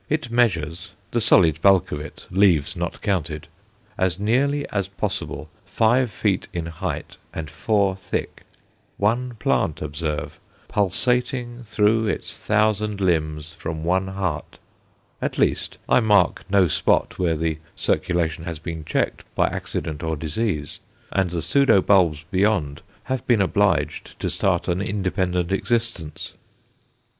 It measures the solid bulk of it, leaves not counted as nearly as possible five feet in height and four thick one plant, observe, pulsating through its thousand limbs from one heart; at least, I mark no spot where the circulation has been checked by accident or disease, and the pseudo bulbs beyond have been obliged to start an independent existence.